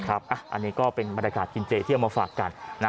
อันนี้ก็เป็นบรรยากาศกินเจที่เอามาฝากกัน